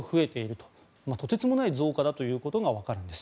とてつもない増加だとわかるんです。